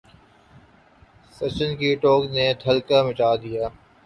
سچن کی ٹوئٹ نے تہلکہ مچا دیا